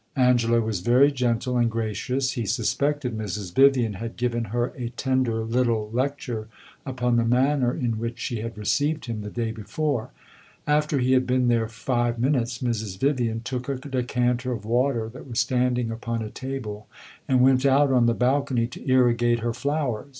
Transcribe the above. Angela was very gentle and gracious; he suspected Mrs. Vivian had given her a tender little lecture upon the manner in which she had received him the day before. After he had been there five minutes, Mrs. Vivian took a decanter of water that was standing upon a table and went out on the balcony to irrigate her flowers.